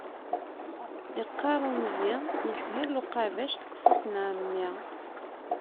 Yeqqar unzi: Yeshel uqabac deg ufus n Ɛemmi neɣ yeqqar wayeḍ: Limmer tayerza s wallen, win tufiḍ ad yesserwet.